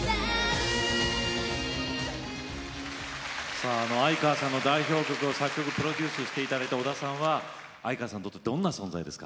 さああの相川さんの代表曲を作曲プロデュースしていただいた織田さんは相川さんにとってどんな存在ですか。